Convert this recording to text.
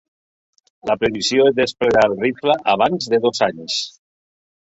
La previsió és desplegar el rifle abans de dos anys.